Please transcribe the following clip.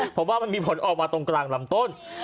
เพราะว่ามันมีผลออกมาตรงกลางลำต้น